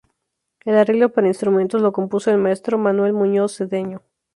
El arreglo para instrumentos lo compuso el maestro Manuel Muñoz Cedeño.